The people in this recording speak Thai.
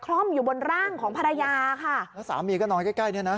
เคราะห์มอยู่บนร่างของภรรยาค่ะแล้วสามีก็นอนใกล้ด้วยนะ